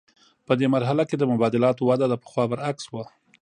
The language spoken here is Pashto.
په دې مرحله کې د مبادلاتو وده د پخوا برعکس وه